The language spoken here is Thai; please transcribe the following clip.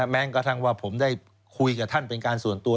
แม้กระทั่งว่าผมได้คุยกับท่านเป็นการส่วนตัว